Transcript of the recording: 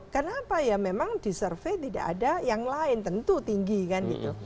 karena apa ya memang di survey tidak ada yang lain tentu tinggi kan gitu